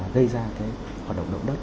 gây ra cái hoạt động động đất